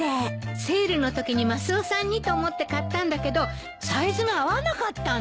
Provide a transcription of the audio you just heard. セールのときにマスオさんにと思って買ったんだけどサイズが合わなかったの。